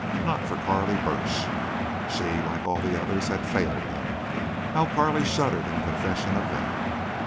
Not for Carley Burch! She like all the others had failed him. How Carley shuddered in confession of that!